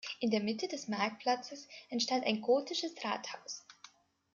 In der Mitte des Marktplatzes entstand ein gotisches Rathaus.